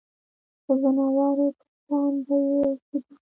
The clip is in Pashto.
د ځناورو په شان به یې اوسېدل.